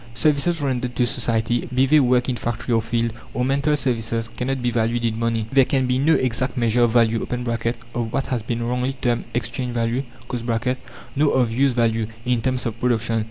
Services rendered to society, be they work in factory or field, or mental services, cannot be valued in money. There can be no exact measure of value (of what has been wrongly termed exchange value), nor of use value, in terms of production.